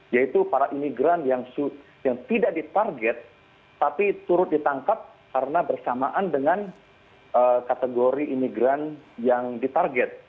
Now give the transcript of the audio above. yaitu para imigran yang tidak ditarget tapi turut ditangkap karena bersamaan dengan kategori imigran yang ditarget